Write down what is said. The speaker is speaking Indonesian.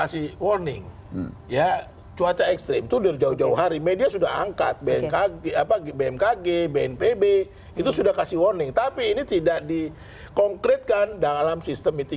seperti itu bisa bisa melakukan suatu yang memonjolkan makhluk karena skyscrapers sama